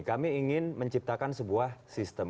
kami ingin menciptakan sebuah sistem